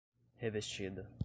revestida